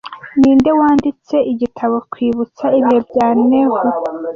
Ninde wanditse igitabo 'Kwibutsa ibihe bya Nehru'